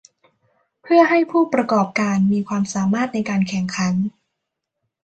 เพื่อให้ผู้ประกอบการมีความสามารถในการแข่งขัน